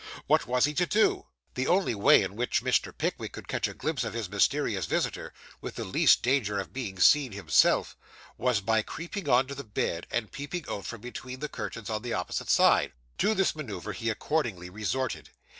What was he to do? The only way in which Mr. Pickwick could catch a glimpse of his mysterious visitor with the least danger of being seen himself, was by creeping on to the bed, and peeping out from between the curtains on the opposite side. To this manoeuvre he accordingly resorted.